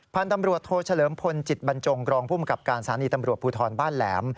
พันธุ์ตำรวจโทเฉลิมพลจิตบรรจงรองภูมิกับการสถานีตำรวจภูทรบ้านแหลม